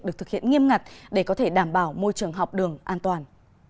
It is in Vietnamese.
được thực hiện nghiêm ngặt để có thể đảm bảo môi trường học đường an toàn